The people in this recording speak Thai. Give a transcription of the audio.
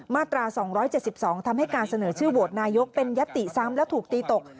มาตรา๒๗๒ทำให้การเสนอชื่อโหวตนายกเป็นยติซ้ำและถูกตีตก